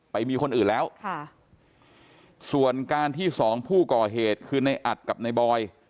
ไปมีคนอื่นแล้วค่ะส่วนการที่สองผู้ก่อเหตุคือในอัดกับในบอย